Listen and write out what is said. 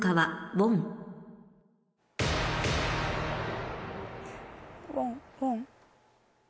ウォンウォン。